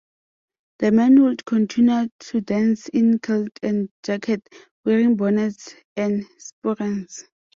The men would continue to dance in kilt and jacket, wearing bonnets and sporrans.